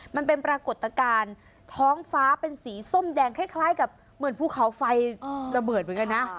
มันเป็นปรากฏการณ์ท้องฟ้าเป็นสีส้มแดงคล้ายกับเหมือนภูเขาไฟระเบิดเหมือนกันนะ